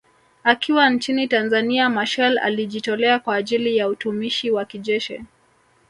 Akiwa nchini Tanzania Machel alijitolea kwa ajili ya utumishi wa kijeshi